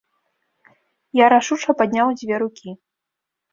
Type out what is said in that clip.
Я рашуча падняў дзве рукі.